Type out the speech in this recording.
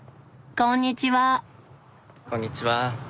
こんにちは。